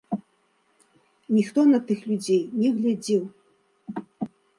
Ніхто на тых людзей не глядзеў!